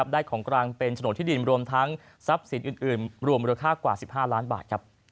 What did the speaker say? ของกลางเป็นโฉนดที่ดินรวมทั้งทรัพย์สินอื่นรวมมูลค่ากว่า๑๕ล้านบาท